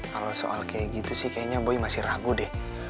kalau soal kayak gitu sih kayaknya boy masih ragu deh